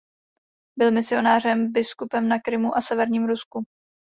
Byl misionářem biskupem na Krymu a Severním Rusku.